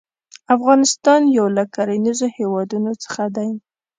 افغانستان يو له کرنيزو هيوادونو څخه دى.